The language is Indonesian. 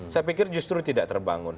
saya pikir justru tidak terbangun